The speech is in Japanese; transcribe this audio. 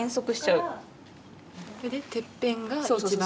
それでてっぺんが一番。